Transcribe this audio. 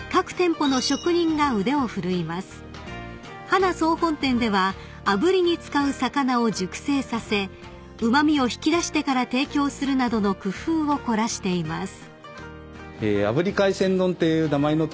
［波奈総本店ではあぶりに使う魚を熟成させうま味を引き出してから提供するなどの工夫を凝らしています］